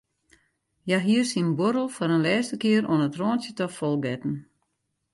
Hja hie syn buorrel foar in lêste kear oan it rântsje ta fol getten.